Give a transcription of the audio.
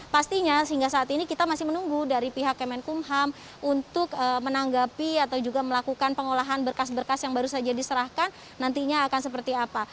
pastinya sehingga saat ini kita masih menunggu dari pihak kemenkumham untuk menanggapi atau juga melakukan pengolahan berkas berkas yang baru saja diserahkan nantinya akan seperti apa